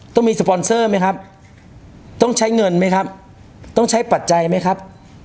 ต้องมีสปอนเซอร์ไหมครับต้องใช้เงินไหมครับต้องใช้ปัจจัยไหมครับ